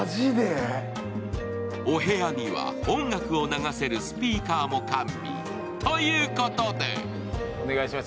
お部屋には音楽を流せるスピーカーも完備。ということでお願いします。